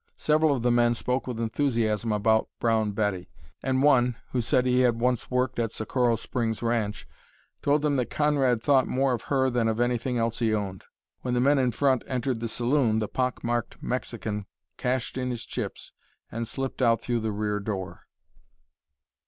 Several of the men spoke with enthusiasm about Brown Betty, and one, who said he had once worked at Socorro Springs ranch, told them that Conrad thought more of her than of anything else he owned. When the men in front entered the saloon, the pock marked Mexican cashed in his chips and slipped out through the rear door.